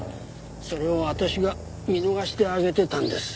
それを私が見逃してあげてたんです。